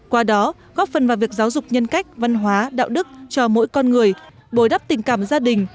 qua đó góp phần vào việc giáo dục nhân cách văn hóa đạo đức cho mỗi con người bồi đắp tình cảm gia đình